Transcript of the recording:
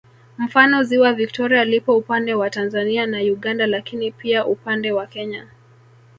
Mfano ziwa Viktoria lipo upande wa Tanzania na Uganda lakini pia upande wa Kenya